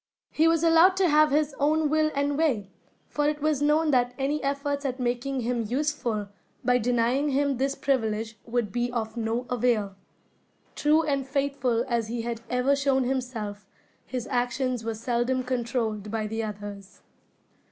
He was allowed to have his own will and way, for it was known that any efforts at making him useful, by denying him this privilege, would be of no avail. True and faithful as he had ever shown himself, his actions were seldom controlled by the others.